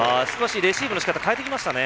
レシーブのしかたを変えてきましたね。